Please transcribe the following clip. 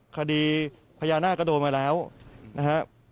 คดีพญานาคก็โดนมาแล้วนะครับ